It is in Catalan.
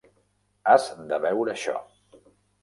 Has de veure això.